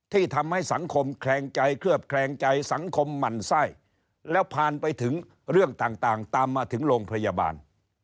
ทำให้สังคมแคลงใจเคลือบแคลงใจสังคมหมั่นไส้แล้วผ่านไปถึงเรื่องต่างตามมาถึงโรงพยาบาล